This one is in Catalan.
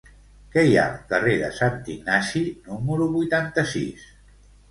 Què hi ha al carrer de Sant Ignasi número vuitanta-sis?